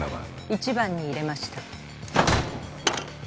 １番に入れました。